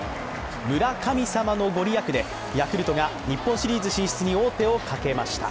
村神様の御利益でヤクルトが日本シリーズ進出に王手をかけました。